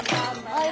はい。